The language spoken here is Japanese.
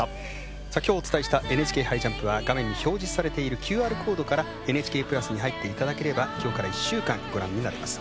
今日、お伝えしたＮＨＫ杯ジャンプは画面に表示されているＱＲコードからＮＨＫプラスに入っていただければ今日から１週間、ご覧になれます。